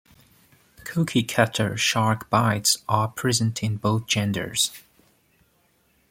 Cookie cutter shark bites are present in both genders.